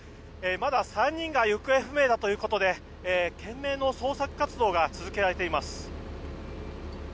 まだ３人が行方不明だということで懸命の捜索活動が続けられています。